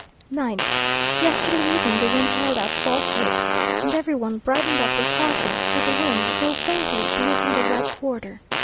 9th. Yesterday evening the wind held out false hopes, and every one brightened up with caution, for the wind, though faintly, blew from the right quarter.